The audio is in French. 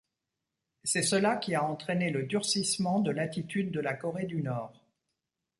C'est cela qui a entraîné le durcissement de l'attitude de la Corée du Nord.